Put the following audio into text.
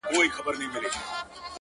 بيا چي يخ سمال پټيو څخه راسي،